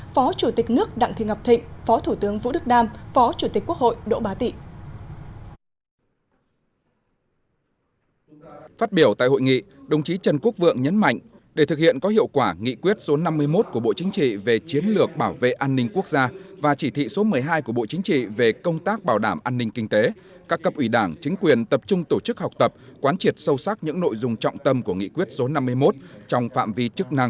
phó chủ tịch nước đặng thị ngọc thịnh phó thủ tướng vũ đức đam phó chủ tịch quốc hội đỗ bá tị